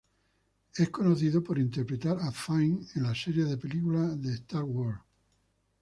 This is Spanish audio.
Es conocido por interpretar a "Finn" en la serie de películas de "Star Wars".